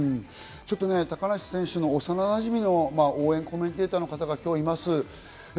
高梨選手の幼なじみの応援コメンテーターの方が今日います。